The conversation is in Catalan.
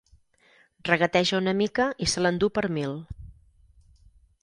Regateja una mica i se l'endú per mil.